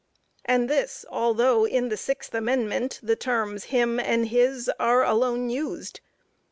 and this, although in the Sixth Amendment, the terms him and his are alone used.